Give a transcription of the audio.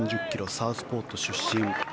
サウスポート出身。